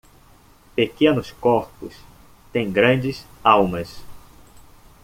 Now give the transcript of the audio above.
Pequenos corpos têm grandes almas.